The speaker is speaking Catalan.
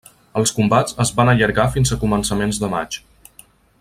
Els combats es van allargar fins a començaments de maig.